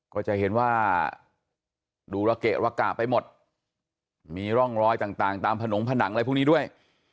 ก็จะเห็นว่าดูระเกะระกะไปหมดมีร่องรอยต่างตามผนงผนังอะไรพวกนี้ด้วย